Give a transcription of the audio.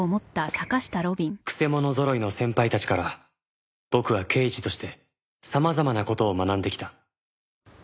曲者ぞろいの先輩たちから僕は刑事として様々な事を学んできた